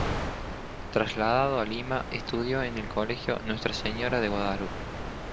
Trasladado a Lima estudió en el Colegio Nuestra Señora de Guadalupe.